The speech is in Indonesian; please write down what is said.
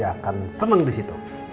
akan seneng disitu